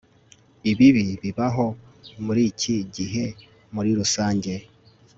ibibi bibaho muri iki gihe muri rusange